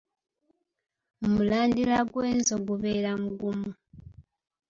Mu mulandira gw’enzo gubeera mugumu.